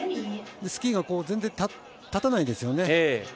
スキーが全然立たないですよね。